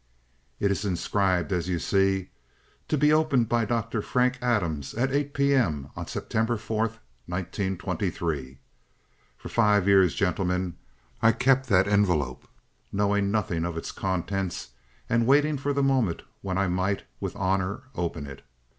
"It is inscribed, as you see, 'To be opened by Dr. Frank Adams at 8 P. M. on September 4th, 1923.' For five years, gentlemen, I kept that envelope, knowing nothing of its contents and waiting for the moment when I might, with honor, open it.